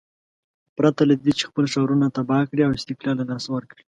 پرته له دې چې خپل ښارونه تباه کړي او استقلال له لاسه ورکړي.